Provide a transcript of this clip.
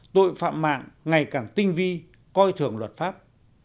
tội phạm mạng ngày càng tinh vi coi thường luật pháp